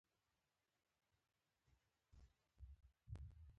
وولسي ژبه یوه نه ده.